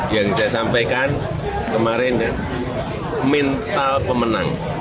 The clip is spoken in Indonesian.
yang saya sampaikan kemarin mental pemenang